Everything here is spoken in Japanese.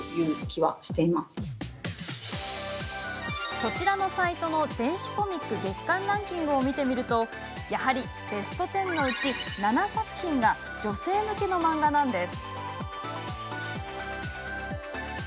こちらのサイトの電子コミック月間ランキングを見てみるとやはりベスト１０のうち７作品が女性向けの漫画なんです。